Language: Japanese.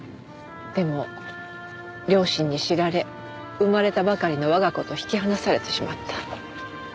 でも両親に知られ生まれたばかりの我が子と引き離されてしまった。